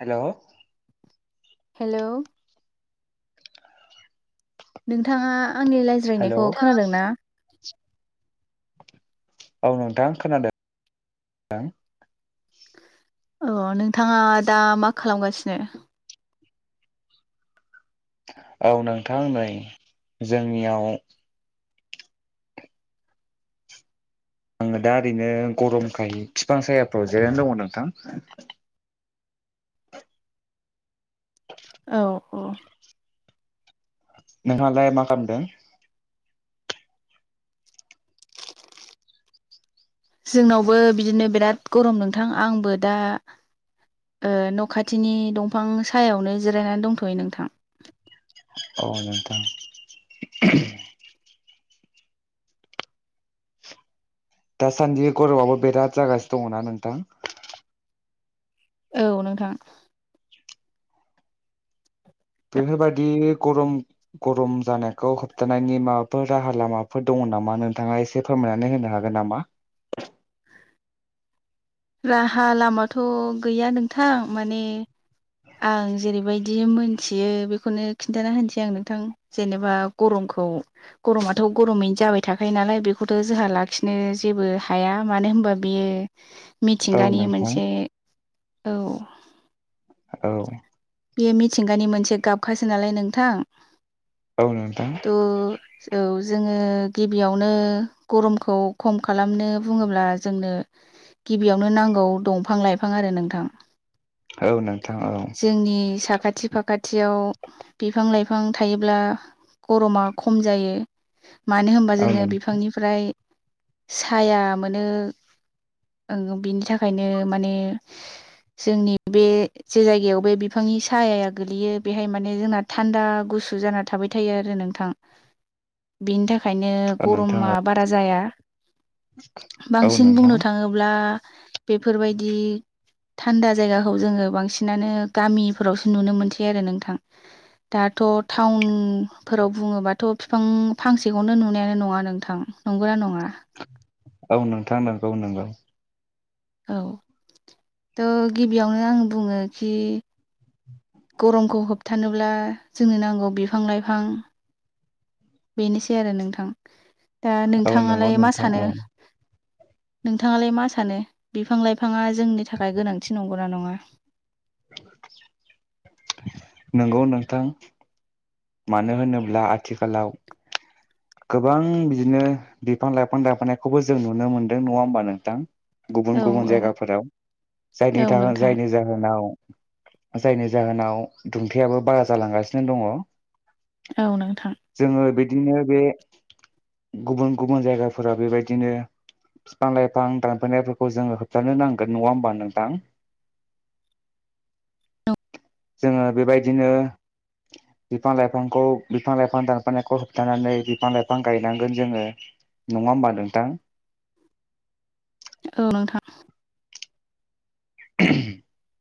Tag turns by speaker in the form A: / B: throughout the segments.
A: हेल'।
B: Hello नोंथाङा आंनि
A: हेलौ
B: रायज्रायनायखौ खोनादों ना?
A: औ नोंथां खोनादों।
B: अ नोंथाङा दा मा खालामगासिनो?
A: औ नोंथां नै जोंनियाव आङो दा ओरैनो गरमखाय फिफां सायाफ्राव जिरायनानै दङ नोंथां।
B: औ औ।
A: नोंहालाय मा खामदों?
B: जोंनावबो बिदिनो बिराद गरम नोंथां आंबो दा ओ न' खाथिनि दंफां सायावनो जिरायनानै दंथ'यो नोंथां।
A: औ नोंथां [unintelligible] दासान्दि गरमआबो बिराद जागासिनो दङना नोंथां?
B: औ नोंथां।
A: बेफोरबायदि गरम -गरम जानायखौ होबथानायनि माबाफोर राहा लामाफोर दङ नामा नोंथाङा एसे फोरमायनानै होनो हागोन नामा?
B: [inaudible] राहा लामाथ' गैया नोंथां माने आं जेरैबायदि मोनथियो बेखौनो खिन्थाना होनसै आं नोंथां जेनेबा गरम [unintelligible] गरम आथ'गरमयैनो जाबाय थाखायो नालाय बेखौथ' जोंहा लाखिनो जेबो हाया माने होनबा बियो
A: औ
B: मिथिंगानि
A: नोंथां
B: मोनसे औ।
A: औ।
B: बेयो मिथिंगानि मोनसे गाबखासो नालाय नोंथां
A: औ नोंथां
B: थ' औ। जोङो गिबियावनो गरमखौ खम खालामनो बुङोब्ला जोंनो गिबियावनो नांगौ दंफां लाइफां आरो नोंथां।
A: औ नोंथां औ।
B: जोंनि साखाथि फाखाथियाव बिफां लाइफां थायोब्ला गरमा खम जायो मानो होमबा
A: औ
B: जोङो
A: नों
B: बिफांनिफ्राय साया मोनो। ओं बिनि थाखायनो माने जोंनि बे जे जायगायाव बे बिफांनि सायाया गोलैयो बेहाय माने जोंना थान्दा गुसु जाना थाबाय थायो आरो। नोंथां बिनि थाखायनो
A: औ नोंथां
B: गरमआ
A: औ
B: बारा जाया।
A: औ
B: बांसिन
A: नोंथां
B: बुंनो थाङोब्ला बेफोरबायदि थान्दा जायगाखौ जोङो बां सिनानो गामिफोरावसो नुनो मोनसै आरो नोंथां दाथ' टाउनफोराव बुङोबाथ' बिफां फांसेखौनो नुनायानो नङा नोंथां नंगौना नङा?
A: औ नोंथां नोंगौ नोंगौ।
B: औ थ' गिबियावनो आं बुङोखि गरमखौ होबथानोब्ला जोंनो नांगौ बिफां लाइफां बेनोसै आरो नोंथां दा
A: औ नंगौ
B: नोंथाङालाय मा
A: नोंथां
B: सानो?
A: औ
B: नोंथांङालाय मा सानो बिफां लाइफांआ जोंनि थाखाय गोनांथि नंगौना नङा?
A: नोंगौ नोंथां। मानो होनोब्ला आथिखालाव गोबां बिदिनो बिफां लाइफां दानफायनायखौबो जों नुनो मोनदों नङा होमबा नोंथां?
B: औ
A: गुबुन गुबुन जायगाफोराव जायनि
B: औ
A: थाखाय
B: नोंथां
A: जायनि जाहोनाव जायनि जाहोनाव दुंथाययाबो बारा जालांगासिनो दंङ'।
B: औ नोंथां।
A: बिदिनो बे
B: [inaudible]
A: गुबुन गुबुन जायगाफोरा बेबायदिनो फिफां लाइफां दानफायनायफोरखौ जोंङो होबथानो नांगोन नङा होमबा नोंथां?
B: द [inaudible]
A: जोङो बेबायदिनो बिफां लाइफांखौ बिफां लाइफां दानफायनायखौ होबथानानै बिफां लाइफां गायनांगोन जोंङो नङा होमबा नोंथां?
B: औ नोंथां।
A: [inaudible]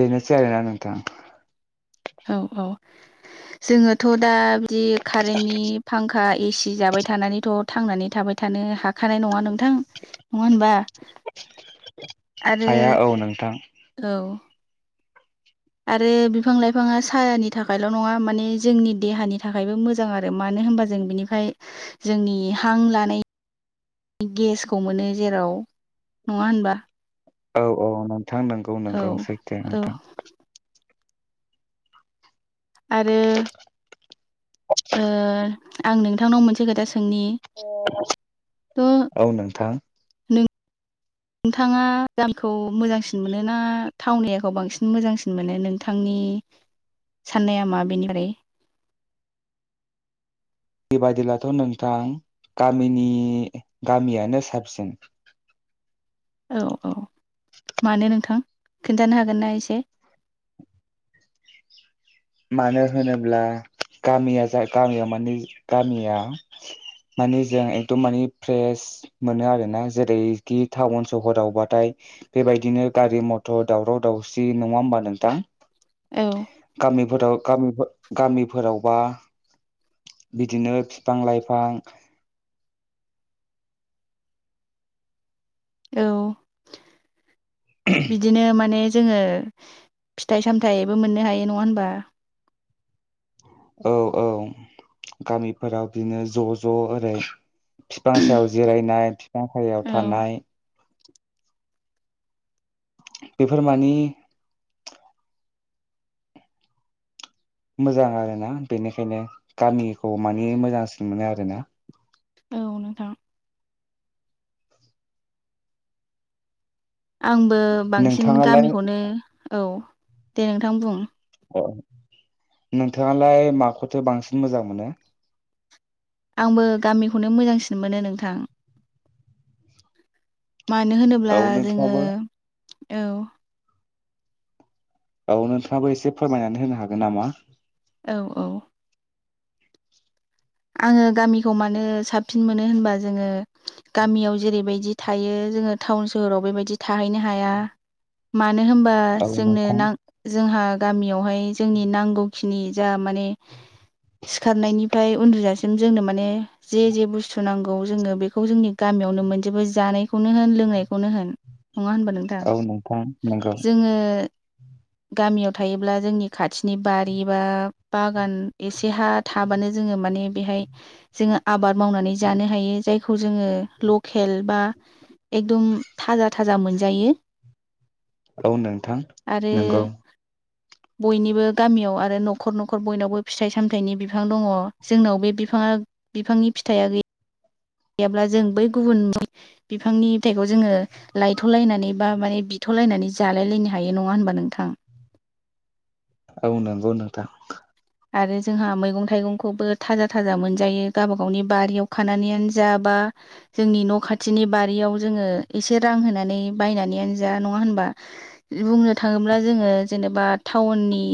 A: बेनोसै आरोना नोंथां।
B: औ औ जोङोथ' दा बिदि कारेन्टनि फां खा एसि जाबाय थानानैथ' थांनानै थाबाय थानो हाखानाय नङा नों थां नङा होनबा? आरो
A: हाया औ नोंथां
B: औ। आरो बिफां लाइफांआ सायानि थाखायल' नङा माने जोंनि देहानि थाखायबो मोजां आरो मा नो होनबा जों बिनिफ्राय जोंनि हां लानाय निगेसखौ मोनो जेराव नङा होनबा?
A: औ औ नोंथां नोंगौ
B: औ
A: नोंगौ सैथो नोंथां।
B: आरो ओ आं नोंथांनाव मोनसे खोथा सों नि थ'
A: औ नोंथां
B: नों थांङा गामिखौ मोजांसिन मोनो ना टाउन एरियाखौ बांसिन मोजांसिन मोनो नोंथांनि साननाया मा बेनिफ्राय?
A: बेबायदिब्लाथ' नोंथां गामिनि गामियानो साबसिन।
B: औ औ मानो नोंथां खिन्थानो हागोन ना एसे?
A: मानो होनोब्ला गामिया जा गामियाव माने गामिया माने जों एकदम माने फ्रेश मोनो आरोना जेरैखि टाउन सहरावबाथाय बेबायदिनो गारि मथर दावराव दावसि नङा होमबा नोंथां
B: औ
A: गामिफोराव गामिफो गामिफोरावबा बिदिनो फिफां लाइफां
B: औ बिदिनो माने जोङो फिथाइ सामथायाइबो मोननो हायो नङा होनबा
A: औ औ गामिफोराव बिदिनो ज' ज' ओरै फिफां सायाव जिरायनाय फिफां सायायाव
B: औ
A: थानाय बेफोर मानि मोजां आरोना बेनिखायनो गामिखौ माने मोजांसिन मोनो आरोना
B: औ‌ नोंथां आंबो बांसिन
A: नोंथाङालाय
B: गामिखौनो औ दे नोंथां बुं
A: अ नोंथाङालाय माखौथो बांसिन मोजां मोनो
B: आंबो गामिखौनो मोजांसिन मोनो नोंथां मानो होनोब्ला
A: औ
B: जोङो
A: नोंथाङाबो
B: औ
A: औ नोंथाङाबो एसे फोरमायनानै होनो हागोन नामा?
B: औ औ आङो गामिखौ मानो साबसिन मोनो होनबा जोङो गामियाव जेरैबायदि थायो जोङो टाउन सोहोराव बेबाय थाहैनो‌ हाया मा नो होनबा
A: औ नोंथां
B: जोंनो जोंहा गामियावहाय जोंनि नांगौखिनि जा माने सिखारनायनिफ्राय उन्दुजासिम जोंनो माने जे जे बुस्थु सुनांगौ जोङो बेखौ जोंनि गामियावनो मोनजोबो जानायखौनो होन लोंनायखौनो होन नङा होनबा नोंथां
A: औ नोंथां नंगौ
B: जोङो गामियाव थायोब्ला जोंनि खाथिनि बारि बा बागान एसे हा थाबानो जोङो माने बेहाय जोङो आबाद मावनानै जानो हायो जायखौ जोङो लकेल बा एकदम थाजा थाजा मोनजायो
A: औ नोंथां
B: आरो
A: नोंगौ
B: बयनिबो गामियाव आरो न'खर न'खर बयनावबो फिथाइ सामथाइनि बिफां दङ जोंनाव बे बिफाङा बिफांनि फिथाइआ गैया गैयाब्ला जों बै गुबुन बिफांनि फिथाइखौ जोङो लायथ'लायनानै बा माने बिथ' लायनानै जालायलायनो हायो नङा होनबा नोंथां
A: औ नंगौ नोंथां
B: आरो जोंहा मैगं थाइगंखौबो थाजा थाजा मोनजायो गावबा गावनि बारियाव खानानैयानो जा बा जोंनि न' खाथिनि बारियाव जोङो एसे रां होनानै बायनानैयनो जा नङा होनबा बुंनो थाङोब्ला जोङो जेनेबा टाउननि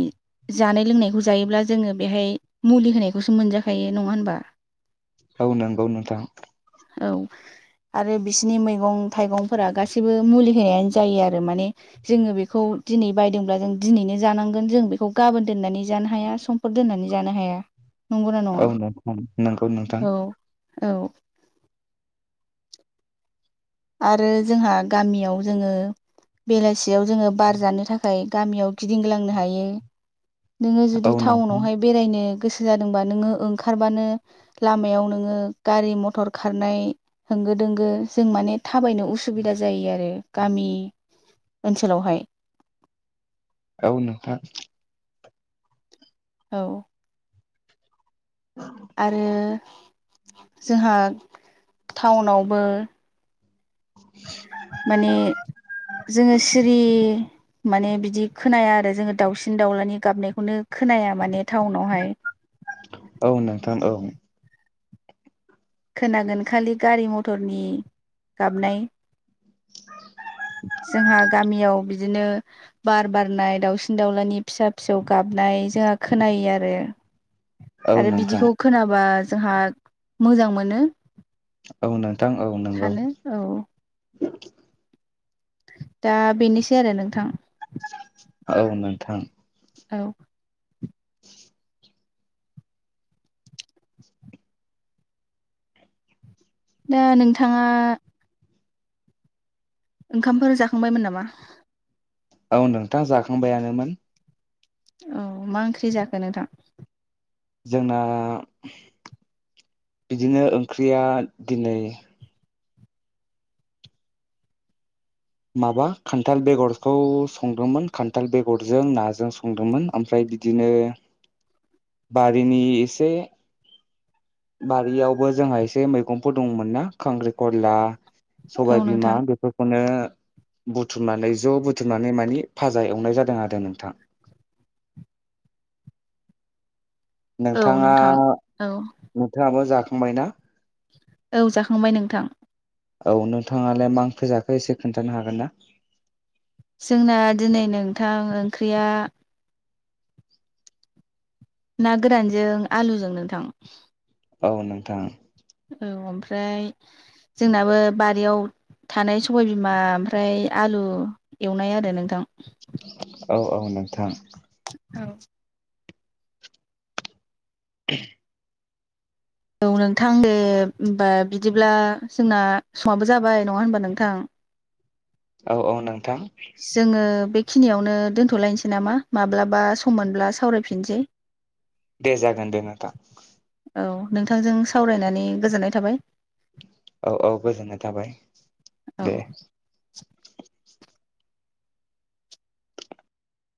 B: जानाय लोंनायखौ जायोब्ला जोङो बेहाय मुलि होनायखौसो मोनजाखायो नङा होनबा
A: औ नंगौ नोंथां
B: औ आरो बिसनि मैगं थाइगंफोरा गासैबो मुलि होनायानो जायो आरो माने जोङो बेखौ दिनै बायदोंब्ला जों दिनैनो जानांगोन जों बेखौ गाबोन दोननानै जानो हाया समफोर दोननानै जानो हाया। नंगौना नङा
A: औ नोंथां नंगौ नोंथां।
B: औ औ आरो जोंहा गामियाव जोङो बेलासियाव जोङो बार जानो थाखाय गामियाव गिदिंग्लांनो हायो। नोङो
A: औ
B: जुदि
A: नोंथां
B: टाउनावहाय बेरायनो गोसो जादोंबा नोङो ओंखारबानो लामायाव नोङो गारि मथर खारनाय होंगो दोंगो जों माने थाबायनो उसुबिदा जायो आरो गामि ओनसोलावहाय।
A: औ नोंथां।
B: औ। आरो [inaudible] जोंहा टाउनावबो माने जोङो सिरि। माने बिदि खोनाया आरो जोङो दाउसिन दाउलानि गाबनायखौनो खोनाया माने टाउनावहाय
A: औ नोंथां औ
B: खोनागोन खालि गारि मथरनि गाबनाय [inaudible] जोंहा गामियाव बिदिनो बार बारनाय दाउसिन दाउलानि फिसा फिसौ गाबनाय जोंहा खोनायो आरो।
A: औ
B: आरो
A: नोंथां
B: बिदिखौ खोनाबा जोंहा मोजां मोनो।
A: औ नोंथां औ नंगौ।
B: थानो औ दा बेनोसै आरो नोंथां।
A: औ नोथां।
B: औ। दा नोंथाङा। ओंखामफोर जाखांबायमोन नामा?
A: औ नोंथा जाखांबायानोमोन।
B: औ मा ओंख्रि जाखो नोंथां?
A: जोंना बिदिनो ओंख्रिया दिनै माबा खान्थाल बेगरखौ संदोंमोन खान्थाल बेगरजों नाजों संदोंमोन ओमफ्राय बिदिनो बारिनि एसे बारियावबो जोंहा एसे मैगंफोर दंमोनना खांख्रिखला। सबाय
B: औ
A: बिमा
B: नोंथां
A: बेफोरखौनो बुथुमनानै ज' बुथुमनानै मानि फाजा एवनाय जादों आरो नोंथां।
B: औ
A: नोंथाङा
B: नोंथां औ
A: नोंथाङाबो जाखांबायना?
B: औ जाखांबाय नोंथां।
A: औ नोंथाङालाय मा ओंख्रि जाखो एसे खोन्थानो हागोन ना?
B: जोंना दिनै नोंथां ओंख्रिया ना गोरानजों आलुजों नोंथां।
A: औ नोंथां।
B: औ ओमफ्राय जोंनाबो बारियाव थानाय सबायबिमा ओमफ्राय आलु एवनाय आरो नोंथां।
A: औ औ नोंथां।
B: औ। औ नोंथां दे होमबा बिदिब्ला जोंना समाबो जाबाय नङा होनबा नोंथां?
A: औ औ नों
B: जोङो। बेखिनियावनो दोनथ'लायनोसै नामा? माब्लाबा सम मोनब्ला सावरायफिनसै।
A: दे जागोन दे नोंथां।
B: औ नोंथांजों सावरायनानै गोजोननाय थाबाय।
A: औ औ गोजोननाय थाबाय
B: औ।
A: दे।